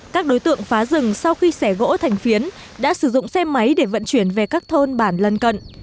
các đối tượng phá rừng sau khi xẻ gỗ thành phiến đã sử dụng xe máy để vận chuyển về các thôn bản lân cận